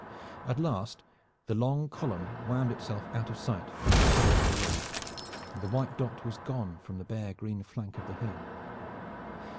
At last the long column wound itself out of sight round a curve of the road, and the white dot was gone from the bare green flank of the hill.